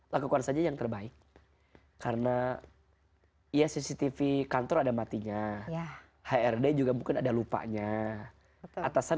lakukan saja yang terbaik karena ya cctv kantor ada matinya hrd juga mungkin ada lupanya atasan